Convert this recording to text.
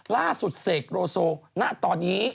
ล่าสุดเสกโรโซณตอนนี้